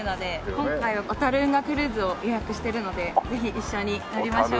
今回は小運河クルーズを予約しているのでぜひ一緒に乗りましょう。